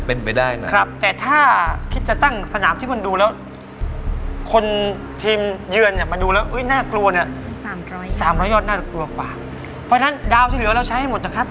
เพราะฉะนั้นดาวที่เหลือเราใช้ให้หมดนะครับ